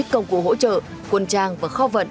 công cụ hỗ trợ quân trang và kho vận